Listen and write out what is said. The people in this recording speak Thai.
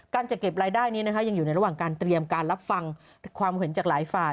จะเก็บรายได้นี้นะคะยังอยู่ในระหว่างการเตรียมการรับฟังความเห็นจากหลายฝ่าย